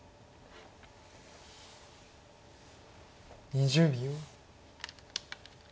２０秒。